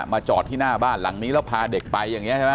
มาจอดที่หน้าบ้านหลังนี้เราพาเด็กไป